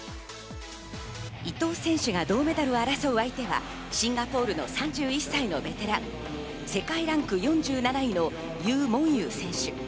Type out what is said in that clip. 伊藤選手が銅メダルを争う相手はシンガポールの３１歳のベテラン、世界ランク４７位のユー・モンユー選手。